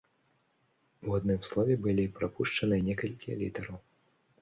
У адным слове былі прапушчаныя некалькі літараў.